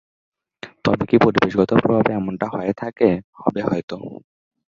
তবে কি পরিবেশগত প্রভাবে এমনটা হয়ে থাকে? হবে হয়তো।